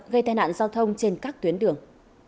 gây tai nạn giao thông trên các tuyến đường